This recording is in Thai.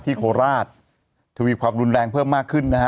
โคราชทวีความรุนแรงเพิ่มมากขึ้นนะฮะ